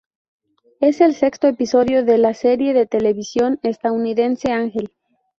Es el sexto episodio de la de la serie de televisión estadounidense Ángel.